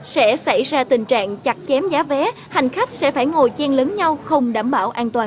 sẽ xảy ra tình trạng chặt chém giá vé hành khách sẽ phải ngồi chen lấn nhau không đảm bảo an toàn